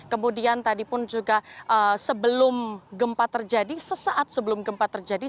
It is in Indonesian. kemudian tadi pun juga sebelum gempa terjadi sesaat sebelum gempa terjadi